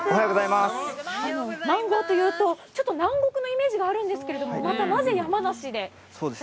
マンゴーというと、ちょっと南国のイメージがあるんですが、なぜ山梨で？